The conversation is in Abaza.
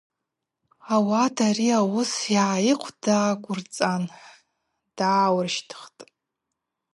Ауат ари ауыс гӏайыхъвдаквырцӏан дгӏауырщтхтӏ.